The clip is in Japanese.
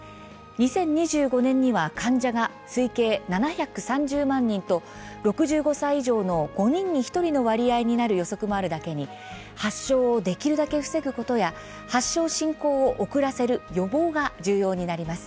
２０２５年には患者が推計７３０万人と６５歳以上の５人に１人の割合になる予測もあるだけに発症をできるだけ防ぐことや発症、進行を遅らせる予防が重要になります。